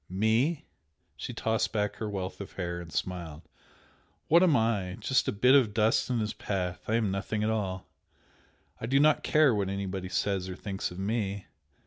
"Me?" She tossed back her wealth of hair, and smiled "What am I? Just a bit of dust in his path! I am nothing at all! I do not care what anybody says or thinks of ME!